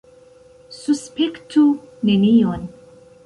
Suspektu nenion.